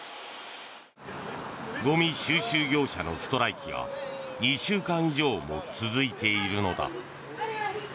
ゴミ収集業者のストライキが２週間以上も続いているのだ。